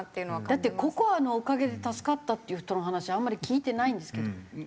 だってＣＯＣＯＡのおかげで助かったっていう人の話あんまり聞いてないんですけど。